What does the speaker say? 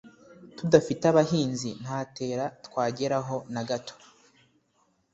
Tudafite ubuhinzi ntatera twajyeraho nagato